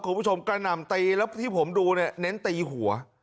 คุณผู้ชมกระหน่ำตีแล้วที่ผมดูเนี่ยเน้นตีหัว